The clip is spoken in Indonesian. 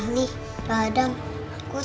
dia apaan kak